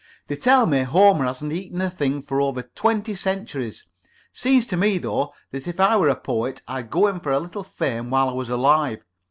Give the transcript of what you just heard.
They tell me Homer hasn't eaten a thing for over twenty centuries. Seems to me, though, that if I were a poet I'd go in for a little fame while I was alive.